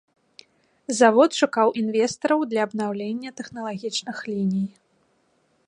Завод шукаў інвестараў для абнаўлення тэхналагічных ліній.